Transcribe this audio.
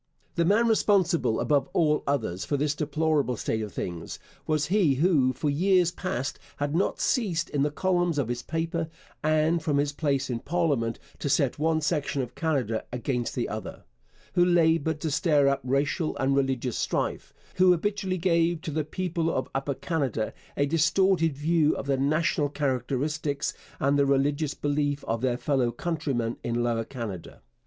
The man responsible above all others for this deplorable state of things was he who for years past had not ceased in the columns of his paper and from his place in parliament to set one section of Canada against the other; who laboured to stir up racial and religious strife; who habitually gave to the people of Upper Canada a distorted view of the national characteristics and the religious belief of their fellow countrymen in Lower Canada.